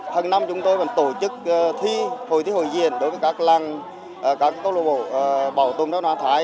hằng năm chúng tôi vẫn tổ chức hội thi hội diện đối với các câu lộ bộ bảo tồn văn hóa thái